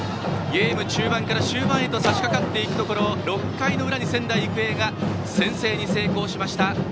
ゲーム中盤から終盤へと差しかかっていくところ６回の裏に仙台育英が先制に成功しました。